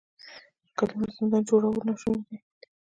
د کلماتو زندان جوړول ناشوني دي.